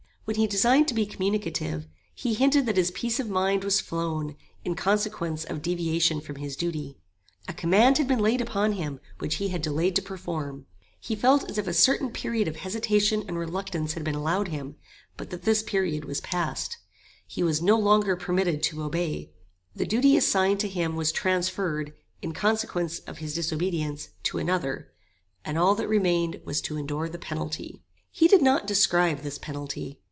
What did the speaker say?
When he designed to be communicative, he hinted that his peace of mind was flown, in consequence of deviation from his duty. A command had been laid upon him, which he had delayed to perform. He felt as if a certain period of hesitation and reluctance had been allowed him, but that this period was passed. He was no longer permitted to obey. The duty assigned to him was transferred, in consequence of his disobedience, to another, and all that remained was to endure the penalty. He did not describe this penalty.